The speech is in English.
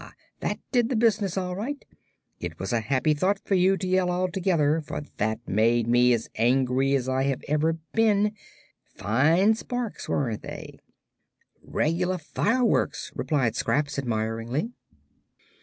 That did the business, all right. It was a happy thought for you to yell all together, for that made me as angry as I have ever been. Fine sparks, weren't they?" "Reg'lar fireworks," replied Scraps, admiringly.